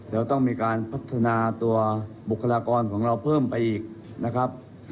เราต้องมีการพัฒนาตัวบุคลากรของเราเพิ่มไปอีกนะครับ